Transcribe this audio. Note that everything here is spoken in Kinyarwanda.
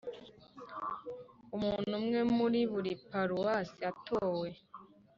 Umuntu umwe muri buri paruwase atowe